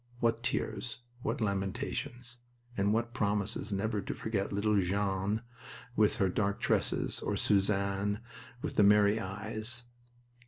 What tears! What lamentations! And what promises never to forget little Jeanne with her dark tresses, or Suzanne with the merry eyes!